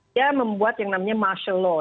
dia membuat yang namanya martial low